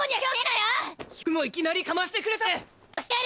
よくもいきなりかましてくれたわね！